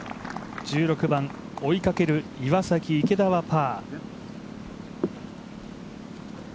１６番、追いかける岩崎、池田はパー。